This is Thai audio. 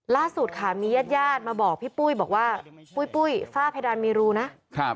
ล่าสุดค่ะมีญาติญาติมาบอกพี่ปุ้ยบอกว่าปุ้ยปุ้ยฝ้าเพดานมีรูนะ